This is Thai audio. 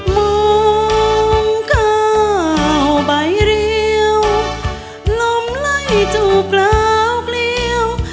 มุมเข้าใบเรียวลมไล่จูบกลาวกลียว